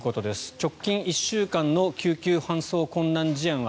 直近１週間の救急搬送困難事案は